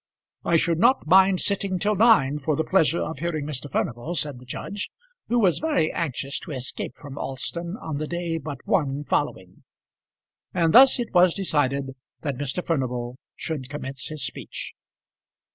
"I should not mind sitting till nine for the pleasure of hearing Mr. Furnival," said the judge, who was very anxious to escape from Alston on the day but one following. And thus it was decided that Mr. Furnival should commence his speech.